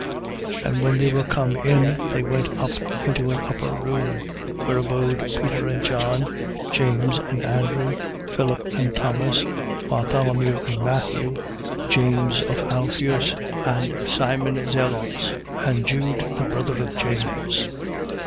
1:13. And when they were come in, they went up into an upper room, where abode Peter and John, James and Andrew, Philip and Thomas, Bartholomew and Matthew, James of Alpheus and Simon Zelotes and Jude the brother of James.